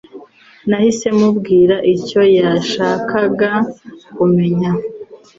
Nahise mubwira icyo yashakaga kumenya